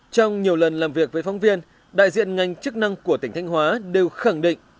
trong nhiều lần làm việc với phóng viên đại diện ngành chức năng của tỉnh thanh hóa đều khẳng định